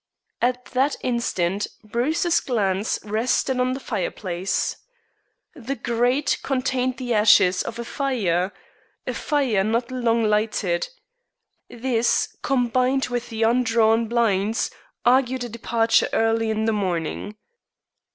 At that instant Bruce's glance rested on the fireplace. The grate contained the ashes of a fire, a fire not long lighted. This, combined with the undrawn blinds, argued a departure early in the morning.